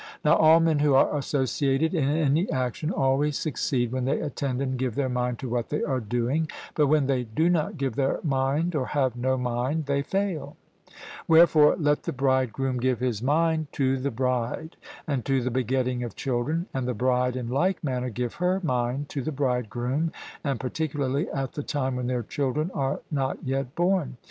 Now all men who are associated in any action always succeed when they attend and give their mind to what they are doing, but when they do not give their mind or have no mind, they fail; wherefore let the bridegroom give his mind to the bride and to the begetting of children, and the bride in like manner give her mind to the bridegroom, and particularly at the time when their children are not yet born.